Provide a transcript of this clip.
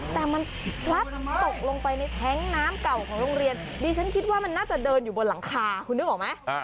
แต่มันพลัดตกลงไปในแท้งน้ำเก่าของโรงเรียนดิฉันคิดว่ามันน่าจะเดินอยู่บนหลังคาคุณนึกออกไหม